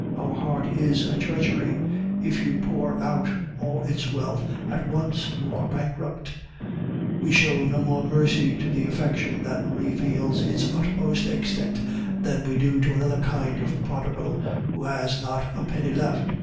Our heart is a treasury; if you pour out all its wealth at once, you are bankrupt. We show no more mercy to the affection that reveals its utmost extent than we do to another kind of prodigal who has not a penny left.